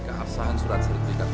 keabsahan surat sertifikatmu